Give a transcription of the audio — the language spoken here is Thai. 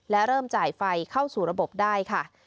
และเริ่มจ่ายไฟเข้าสู่ระบบได้ค่ะ